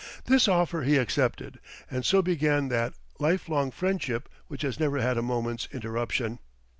This offer he accepted, and so began that life long friendship which has never had a moment's interruption.